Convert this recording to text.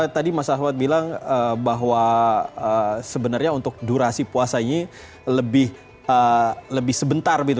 tadi mas ahmad bilang bahwa sebenarnya untuk durasi puasanya lebih sebentar gitu